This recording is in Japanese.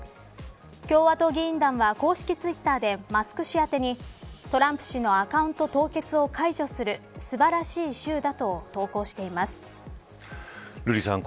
共和党議員団は公式ツイッターでマスク氏宛てにトランプ氏のアカウント凍結を解除する素晴らしい週だ瑠麗さん